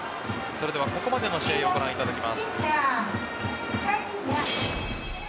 それではここまでの試合をご覧いただきます。